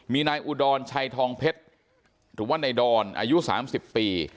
มีนายอุดรชัยทองเพชรหรือว่านายดอนอายุ๓๐ปี